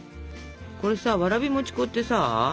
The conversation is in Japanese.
これさわらび餅粉ってさ